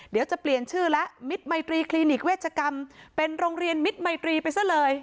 เดี๋ยวจะเปลี่ยนชื่อแล้วมิตรมัยตรีคลินิกเวชกรรมเป็นโรงเรียนมิตรมัยตรีไปซะเลย